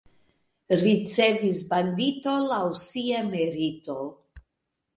Ricevis bandito laŭ sia merito.